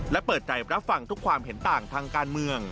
และเปิดใจรับฟังทุกความเห็นต่างทางการเมือง